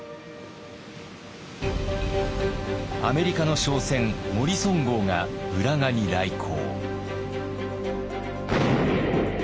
アメリカの商船「モリソン号」が浦賀に来航。